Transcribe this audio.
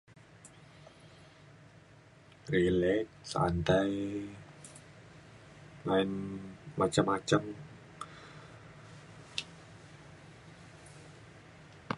relax santai ayen macam macam